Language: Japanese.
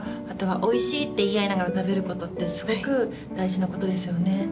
あとはおいしいって言い合いながら食べることってすごく大事なことですよね。